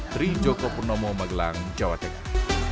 tri joko purnomo magelang jawa tengah